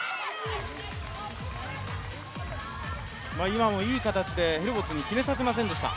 今もいい形でヘルボッツに決めさせませんでした。